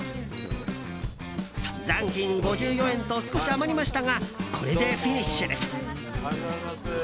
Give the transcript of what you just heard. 残金５４円と少し余りましたがこれでフィニッシュです。